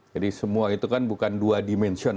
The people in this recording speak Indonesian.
jadi semua itu bukan dua dimensional